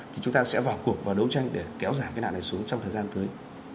thì chúng ta sẽ vào cuộc và đấu tranh để kéo giảm cái nạn này xuống trong thời gian tới